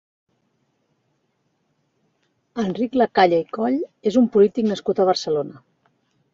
Enric Lacalle i Coll és un polític nascut a Barcelona.